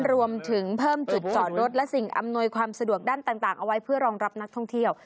รวมถึงเพิ่มจุดจอดรถและสิ่งอำนวยความสะดวกด้านต่างเอาไว้เพื่อรองรับนักท่องเที่ยว